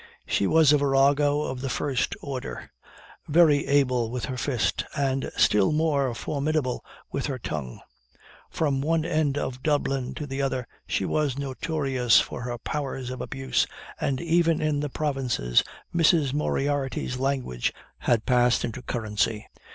She was a virago of the first order, very able with her fist, and still more formidable with her tongue. From one end of Dublin to the other she was notorious for her powers of abuse, and even in the provinces Mrs. Moriarty's language had passed into currency.